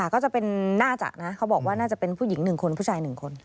เขาบอกว่าน่าจะเป็นผู้หญิงหนึ่งคนผู้ชายหนึ่งคน